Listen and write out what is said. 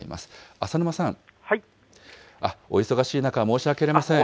浅沼さん、お忙しい中、申し訳ありません。